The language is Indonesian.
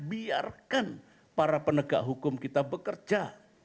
biarkan para penegak hukum kita bekerja